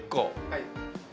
はい。